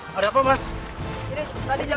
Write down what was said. kita bawa ke rumah sakit aja yuk